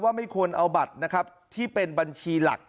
ไม่ควรเอาบัตรนะครับที่เป็นบัญชีหลัก